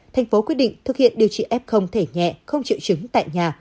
thành phố quyết định thực hiện điều trị f thể nhẹ không chịu chứng tại nhà